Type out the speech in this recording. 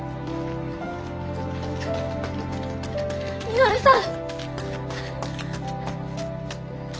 稔さん！